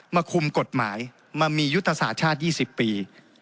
คุมกฎหมายมามียุทธศาสตร์ชาติ๒๐ปี